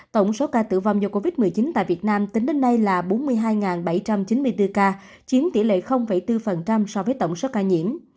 tổng số ca tử vong do covid một mươi chín tại việt nam tính đến nay là bốn mươi hai bảy trăm chín mươi bốn ca chiếm tỷ lệ bốn so với tổng số ca nhiễm